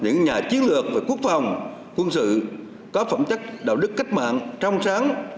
những nhà chiến lược về quốc phòng quân sự có phẩm chất đạo đức cách mạng trong sáng